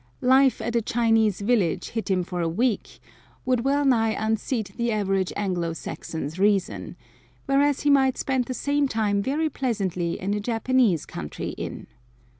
Life at a Chinese village hittim for a week would well nigh unseat the average Anglo Saxon's reason, whereas he might spend the same time very pleasantly in a Japanese country inn.